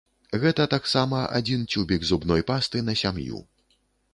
Гэта таксама адзін цюбік зубной пасты на сям'ю.